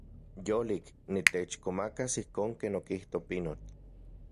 Yolik. Niteixkomakas ijkon ken okijto pinotl.